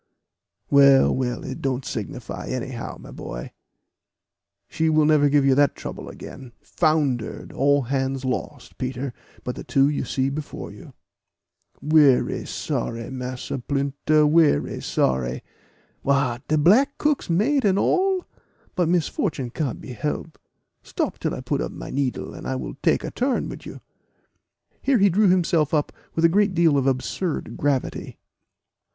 "Well, well, it don't signify now, my boy; she will never give you that trouble again foundered all hands lost, Peter, but the two you see before you." "Werry sorry, Massa Plinter, werry sorry What! de black cook's mate and all? But misfortune can't be help. Stop till I put up my needle, and I will take a turn wid you." Here he drew himself up with a great deal of absurd gravity.